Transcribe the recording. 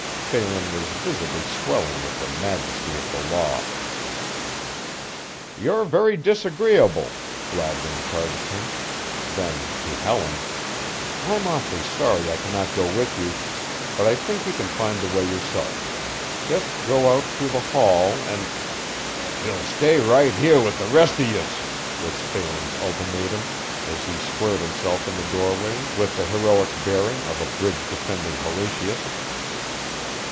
Phelan was visibly swelling with the majesty of the law. "You're very disagreeable," Gladwin charged him; then to Helen, "I'm awfully sorry I cannot go with you, but I think you can find the way yourself. Just go out through the hall, and" "She'll stay right here with the rest o' yez," was Phelan's ultimatum, as he squared himself in the doorway with the heroic bearing of a bridge defending Horatius.